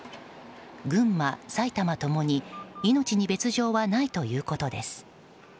群馬、埼玉ともに命に別条はないということです。